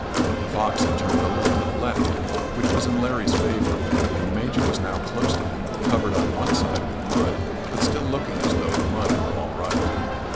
The fox had turned a little to the left, which was in Larry's favour, and the Major was now close to him, covered on one side with mud, but still looking as though the mud were all right.